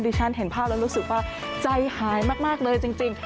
ฉันเห็นภาพแล้วรู้สึกว่าใจหายมากเลยจริง